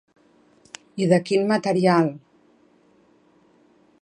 I de quin material?